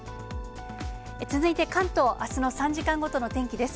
続いて関東、あすの３時間ごとの天気です。